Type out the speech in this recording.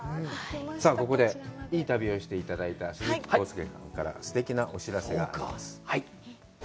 さあここで、いい旅をしていただいた鈴木浩介さんからすてきなお知らせがあります。